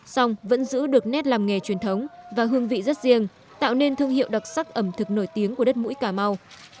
song vẫn giữ được nét làm nghề truyền thống và hương vị rất riêng tạo nên thương hiệu đặc sắc ẩm thực nổi tiếng của đất mũi cà mau